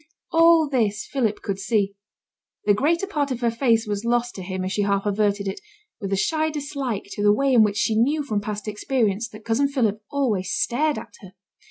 All this Philip could see; the greater part of her face was lost to him as she half averted it, with a shy dislike to the way in which she knew from past experience that cousin Philip always stared at her.